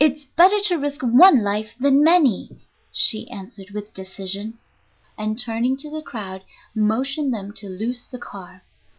"] "It's better to risk one life than many," she answered with decision, and, turning to the crowd, motioned them to loose the car.